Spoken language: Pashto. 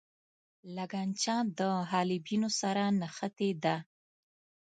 لګنچه له حالبینو سره نښتې ده.